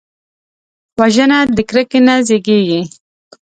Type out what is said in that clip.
وژنه د کرکې نه زیږېږي